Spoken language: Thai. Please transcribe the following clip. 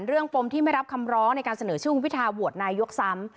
ปมที่ไม่รับคำร้องในการเสนอชื่อคุณพิทาโหวตนายกซ้ำ